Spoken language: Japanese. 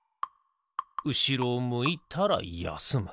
うしろを向いたらやすむ。